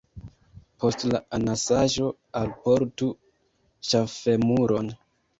Post la anasaĵo alportu ŝaffemuron.